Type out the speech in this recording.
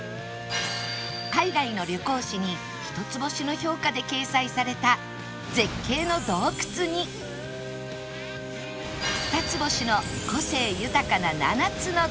海外の旅行誌に一つ星の評価で掲載された絶景の洞窟に二つ星の個性豊かな７つの滝